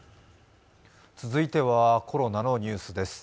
続いてはコロナのニュースです。